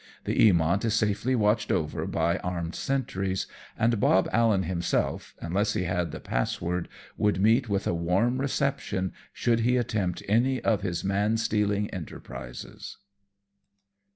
The Eaviont is safely watched over by armed sentries, and Bob Allen himself, unless he had the password, would meet with a warm reception should he attempt any of his man stealing enterprises.